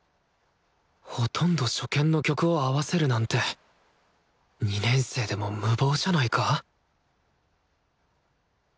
ほとんど初見の曲を合わせるなんて２年生でも無謀じゃないか？